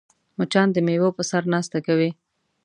مچان د میوو په سر ناسته کوي